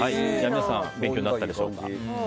皆さん勉強になったでしょうか。